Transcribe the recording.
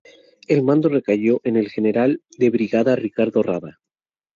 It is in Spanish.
El mando recayó en el general de brigada Ricardo Rada.